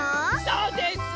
そうです。